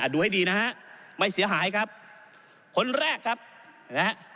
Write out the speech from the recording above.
ดูให้ดีนะฮะไม่เสียหายครับคนแรกครับนะฮะ